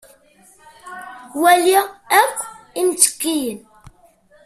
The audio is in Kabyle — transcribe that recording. wali akk imttekkiyen.